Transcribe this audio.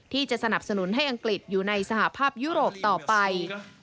สนับสนุนให้อังกฤษอยู่ในสหภาพยุโรปต่อไป